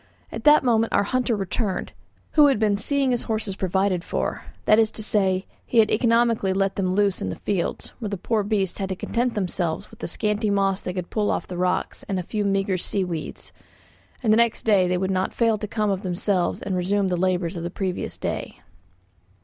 At that moment our hunter returned, who had been seeing his horses provided for; that is to say, he had economically let them loose in the fields, where the poor beasts had to content themselves with the scanty moss they could pull off the rocks and a few meagre sea weeds, and the next day they would not fail to come of themselves and resume the labours of the previous day.